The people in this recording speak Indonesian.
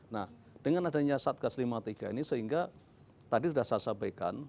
nah dengan adanya satgas lima puluh tiga ini sehingga tadi sudah saya sampaikan